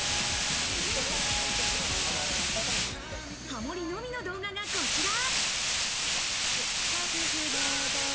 ハモリのみの動画がこちら。